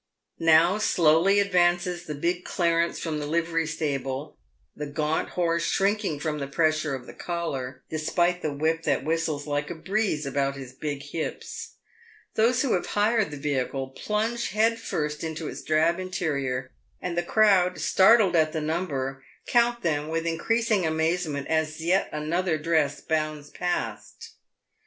Now slowly advances the big clarence from the livery stable, the gaunt horse shrinking from the pressure of the collar, despite the whip that whistles like a breeze about his big hips. Those who have hired the vehicle plunge head first into its drab interior, and the crowd, startled at the number, count them with increasing amazement as yet another dress bounds past.